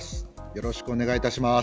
よろしくお願いします。